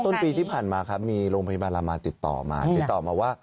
ต้นปีที่ผ่านมาแหละมีโรงพยาบาลรามณ์ติดต่อมา